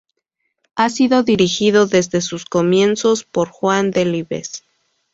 Ha sido dirigido desde sus comienzos por Juan Delibes.